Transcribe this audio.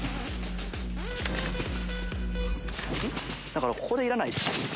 だからこれいらないです。